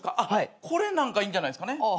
これなんかいいんじゃないですかね。